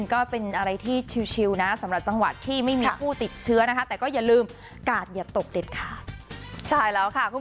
ก็เป็นอะไรที่ชิวนะสำหรับจังหวัดที่ไม่มีผู้ติดเชื้อนะคะแต่ก็อย่าลืมกาดอย่าตกเด็ดขาดใช่แล้วค่ะ